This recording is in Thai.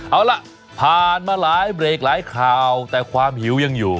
เอาล่ะผ่านมาหลายเบรกหลายข่าวแต่ความหิวยังอยู่